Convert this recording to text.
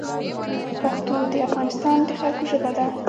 پښتو د افغانستان د خلګو ژبه ده